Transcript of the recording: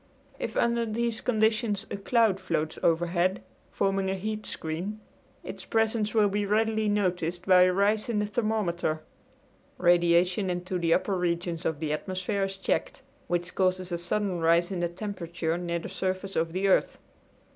If under these conditions a cloud floats overhead, forming a heat screen, its presence will be readily noticed by a rise in the thermometer. Radiation into the upper regions of the atmosphere is checked, which causes a sudden rise in the temperature near the surface of the earth.